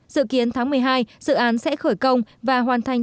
dự kiến tháng một mươi hai dự án sẽ khởi công và hoàn thành